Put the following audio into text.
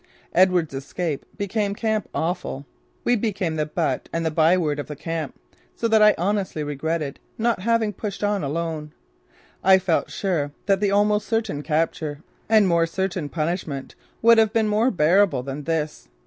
Edwards's escape became camp offal. We became the butt and the byword of the camp, so that I honestly regretted not having pushed on alone. I felt sure that the almost certain capture and more certain punishment would have been more bearable than this.